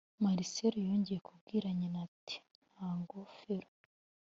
Marcelo yongeye kubwira nyina ati nta ngofero